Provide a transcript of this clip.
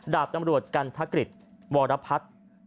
ดาบตำรวจกันทะกริจวรพัท